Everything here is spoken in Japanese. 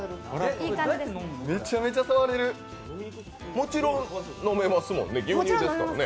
もちろん飲めますよね、牛乳ですもんね。